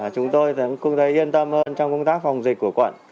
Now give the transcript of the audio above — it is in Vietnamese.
chúng tôi cũng thấy yên tâm hơn trong công tác phòng dịch của quận